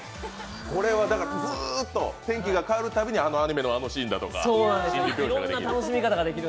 これはずっと天気が変わるたびにアニメのあのシーンだとかいろいろ想像できる。